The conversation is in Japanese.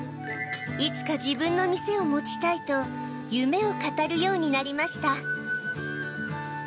いつか自分の店を持ちたいと、夢を語るようになりました。